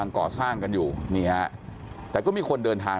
ความปลอดภัยของนายอภิรักษ์และครอบครัวด้วยซ้ำ